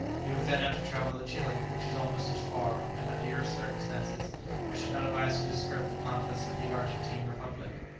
"You would then have to travel to Chili, which is almost as far; and, under your circumstances, I should not advise you to skirt the pampas of the Argentine Republic.